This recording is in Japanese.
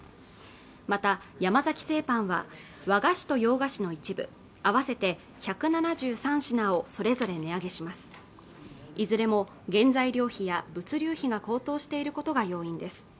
また山崎製パンは和菓子と洋菓子の一部合わせて１７３品をそれぞれ値上げしますいずれも原材料費や物流費が高騰していることが要因です